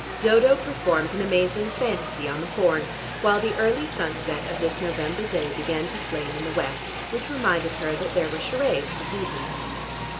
Dodo performed an amazing fantasy on the horn, while the early sunset of this November day began to flame in the west, which reminded her that there were charades this evening.